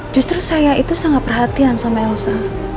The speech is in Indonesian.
justru saya itu sangat perhatian sama elsa